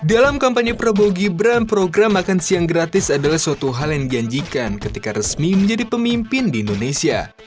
dalam kampanye prabowo gibran program makan siang gratis adalah suatu hal yang dijanjikan ketika resmi menjadi pemimpin di indonesia